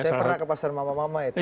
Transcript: saya pernah ke pasar mama mama itu